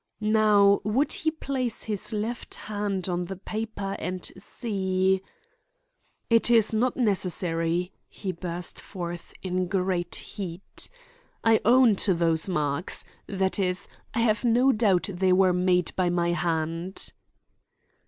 Now would he place his left hand on the paper and see— "It is not necessary," he burst forth, in great heat. "I own to those marks. That is, I have no doubt they were made by my hand."